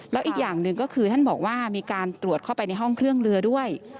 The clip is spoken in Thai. แล้วอีกอย่างหนึ่งก็คือท่านบอกว่ามีการตรวจเข้าไปในห้องเครื่องเรือด้วย